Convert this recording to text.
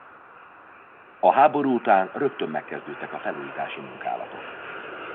A háború után rögtön megkezdődtek a felújítási munkálatok.